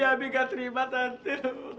abi gak terima tante